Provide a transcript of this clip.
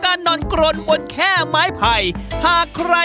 การนอนกรนนั่นก็สามารถเป็นการแข่งขันได้